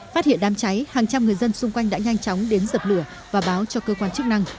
phát hiện đám cháy hàng trăm người dân xung quanh đã nhanh chóng đến dập lửa và báo cho cơ quan chức năng